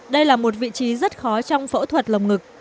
đây là một vị trí rất khó trong phẫu thuật lồng ngực